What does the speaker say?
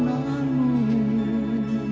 dalam hidup dan matiku